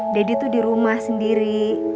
daddy tuh dirumah sendiri